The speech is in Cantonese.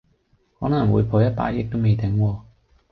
可能會破一百億都未頂喎